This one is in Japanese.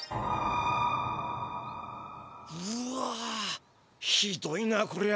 うっわひどいなこりゃ。